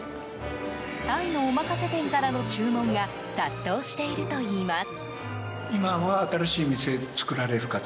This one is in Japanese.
タイのおまかせ店からの注文が殺到しているといいます。